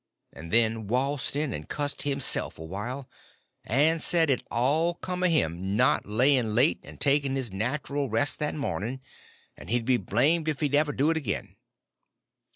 And then waltzed in and cussed himself awhile, and said it all come of him not laying late and taking his natural rest that morning, and he'd be blamed if he'd ever do it again.